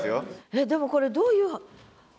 えっでもこれどういう俳句なの？